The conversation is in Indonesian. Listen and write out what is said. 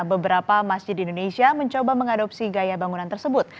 beberapa masjid di indonesia mencoba mengadopsi gaya bangunan tersebut